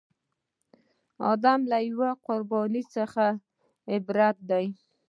دم له یوې قربانۍ څخه عبارت دی.